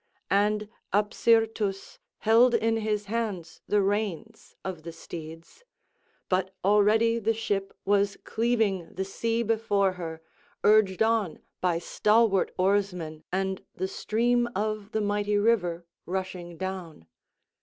And Apsyrtus held in his hands the reins of the steeds. But already the ship was cleaving the sea before her, urged on by stalwart oarsmen, and the stream of the mighty river rushing down.